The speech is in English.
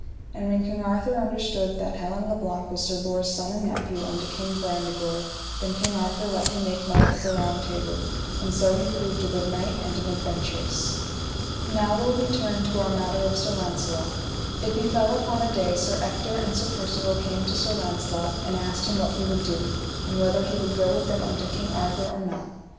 And when King Arthur understood that Helin le Blank was Sir Bors' son, and nephew unto King Brandegore, then King Arthur let him make knight of the Round Table; and so he proved a good knight and an adventurous. Now will we turn to our matter of Sir Launcelot. It befell upon a day Sir Ector and Sir Percivale came to Sir Launcelot and asked him what he would do, and whether he would go with them unto King Arthur or not.